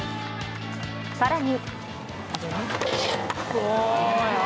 更に。